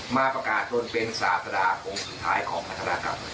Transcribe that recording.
มาประกาศจนเป็นศาสดาองค์สุดท้ายของมหาธนากรรม